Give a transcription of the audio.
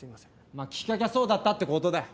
まあきっかけはそうだったってことだよ。